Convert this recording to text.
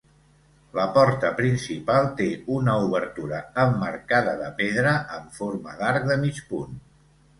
La porta principal té una obertura emmarcada de pedra en forma d'arc de mig punt.